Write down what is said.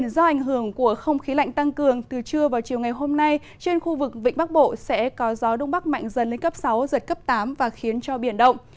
do ảnh hưởng của không khí lạnh tăng cường từ trưa vào chiều ngày hôm nay trên khu vực vịnh bắc bộ sẽ có gió đông bắc mạnh dần lên cấp sáu giật cấp tám và khiến cho biển động